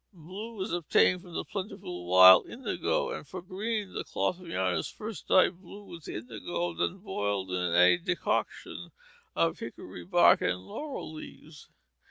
Blue is obtained from the plentiful wild indigo; and for green, the cloth or yarn is first dyed blue with indigo, then boiled in a decoction of hickory bark and laurel leaves.